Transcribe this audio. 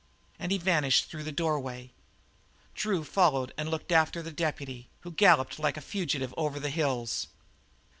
And he vanished through the doorway. Drew followed and looked after the deputy, who galloped like a fugitive over the hills.